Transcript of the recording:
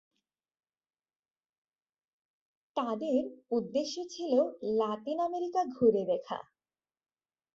তাঁদের উদ্দেশ্য ছিল লাতিন আমেরিকা ঘুরে দেখা।